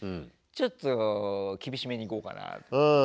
ちょっと厳しめにいこうかなと。